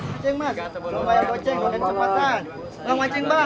mancing mas mau bayar mancing mau main cepetan